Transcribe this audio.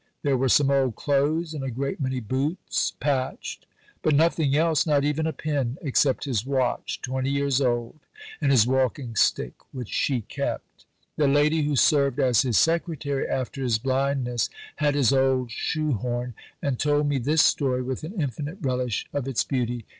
There were some old clothes, and a great many boots, patched; but nothing else, not even a pin, except his watch, 20 years old, and his walking stick, which she kept. The lady who served as his secretary after his blindness had his old shoe horn, and told me this story with an infinite relish of its beauty.